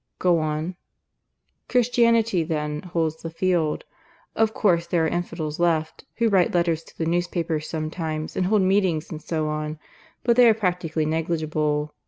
"Go on." "Christianity, then, holds the field. Of course there are infidels left, who write letters to the newspapers sometimes, and hold meetings, and so on. But they are practically negligible.